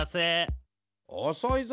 おそいぞ！